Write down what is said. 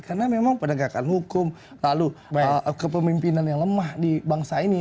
karena memang penegakan hukum lalu kepemimpinan yang lemah di bangsa ini